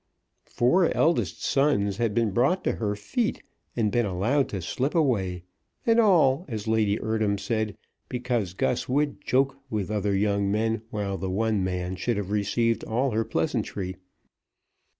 Four eldest sons had been brought to her feet and been allowed to slip away; and all, as Lady Eardham said, because Gus would "joke" with other young men, while the one man should have received all her pleasantry.